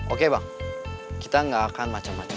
oke bang kita gak akan macam macam